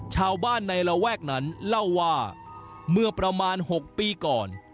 ชาวบ้านในระแวกนั้นเล่าว่าเมื่อประมาณ๖ปีก่อน